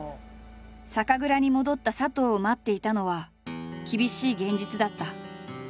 酒蔵に戻った佐藤を待っていたのは厳しい現実だった。